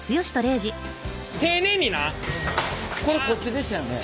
これこっちでしたよね？